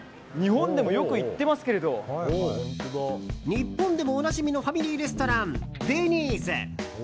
日本でもおなじみのファミリーレストラン、デニーズ。